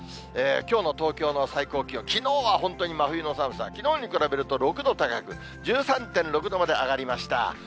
きょうの東京の最高気温、きのうは本当に真冬の寒さ、きのうに比べると、６度高く、１３．６度まで上がりました。